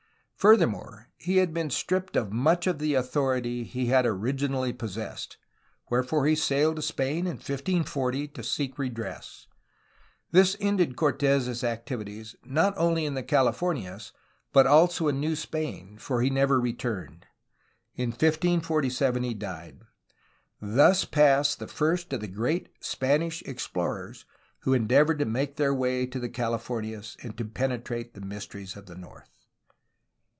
Furthermore, he had been stripped of much of the authority he had originally possessed, wherefore he sailed to Spain in 1540 to seek redress. This ended Cortes' activities not only in the Californias but also in New Spain, for he never returned. In 1547 he died. Thus passed the first of the great Spanish explorers who endeavored to make their way to the Californias and to penetrate the mysteries of the north.